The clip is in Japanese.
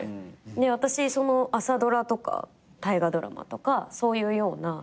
私朝ドラとか大河ドラマとかそういうような物にも出てなくて。